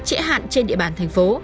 trễ hạn trên địa bàn thành phố